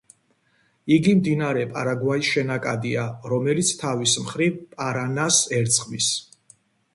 იგი მდინარე პარაგვაის შენაკადია, რომელიც თავის მხრივ პარანას ერწყმის.